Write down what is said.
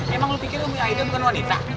emang lu pikir umi aida bukan wanita